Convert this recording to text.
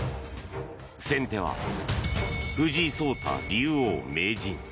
先手は藤井聡太竜王・名人。